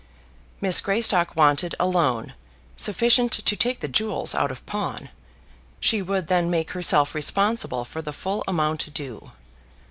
Miss Greystock wanted a loan sufficient to take the jewels out of pawn. She would then make herself responsible for the full amount due.